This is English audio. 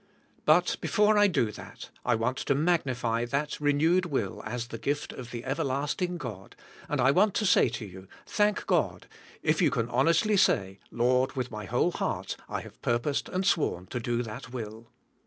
But be fore I do that, want to magnify that renewed will as the gift of the Everlasting God, and I want to say to yoUj Thank God, if you can honestly say, "Lord, with my whole heart I have purposed and sworn to do that will.